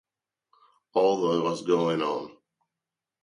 All that was going on.